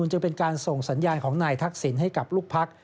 จึงเป็นการส่งสัญญาณของนายทักษิณให้กับลูกพัก